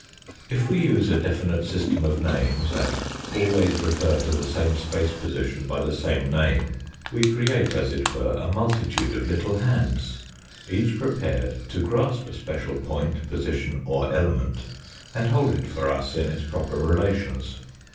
If we use a definite system of names, and always refer to the same space position by the same name, we create as it were a multitude of little hands, each prepared to grasp a special point, position, or element, and hold it for us in its proper relations.